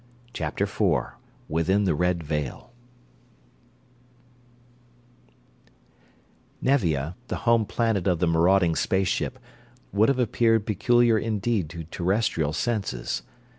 CHAPTER IV Within the Red Veil Nevia, the home planet of the marauding space ship, would have appeared peculiar indeed to Terrestrial senses.